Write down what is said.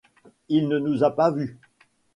Il ne nous a pas vus !